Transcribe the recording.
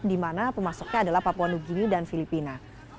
di mana pemasoknya adalah papua nugini dan filipina